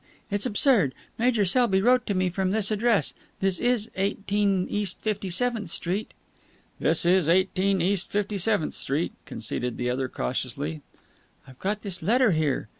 It's absurd. Major Selby wrote to me from this address. This is Eighteen East Fifty seventh Street?" "This is Eighteen East Fifty seventh Street," conceded the other cautiously. "I've got his letter here."